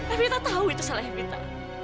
evita tahu itu salah evita